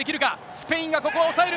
スペインがここは押さえる。